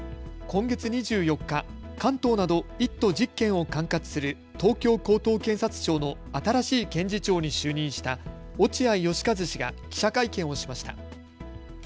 今月２４日、関東など１都１０県を管轄する東京高等検察庁の新しい検事長に就任した落合義和氏が記者会見をしました。